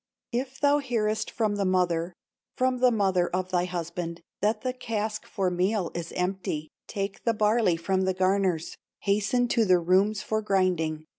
"If thou hearest from the mother, From the mother of thy husband, That the cask for meal is empty, Take the barley from the garners, Hasten to the rooms for grinding.